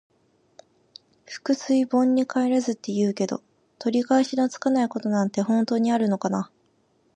「覆水盆に返らず」って言うけど、取り返しのつかないことなんて本当にあるのかな。